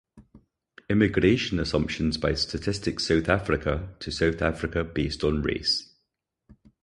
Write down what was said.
Immigration assumptions by Statistics South Africa to South Africa based on race.